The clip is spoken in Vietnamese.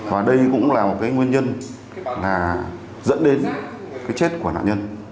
và đây cũng là một cái nguyên nhân là dẫn đến cái chết của nạn nhân